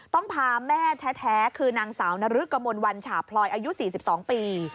พาแม่แท้คือนางสาวนรึกกมลวันฉาพลอยอายุ๔๒ปี